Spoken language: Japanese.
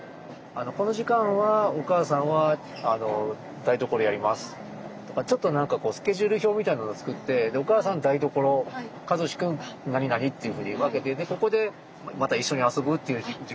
この時間はお母さんは台所やりますとかちょっと何かこうスケジュール表みたいなのを作ってお母さんは台所和志くん何々っていうふうに分けてでここでまた一緒に遊ぶっていう時間を決めて。